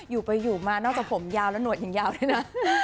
อยู่ไปอยู่มานอกจากผมยาวแล้วหนวดยังยาวด้วยนะ